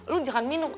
lo jangan minum